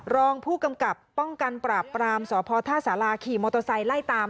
รองผู้กำกับป้องกันปราบปรามสพท่าสาราขี่มอเตอร์ไซค์ไล่ตาม